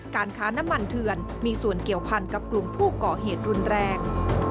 การค้าน้ำมันเถื่อนมีส่วนเกี่ยวพันกับกลุ่มผู้ก่อเหตุรุนแรง